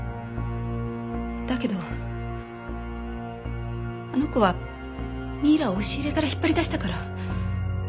だけどあの子はミイラを押し入れから引っ張り出したから。